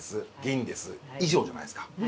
銀です以上じゃないですか。